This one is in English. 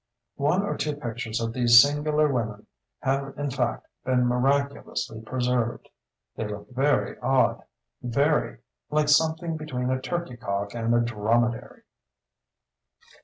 One or two pictures of these singular women have in fact, been miraculously preserved. They look very odd, very—like something between a turkey cock and a dromedary.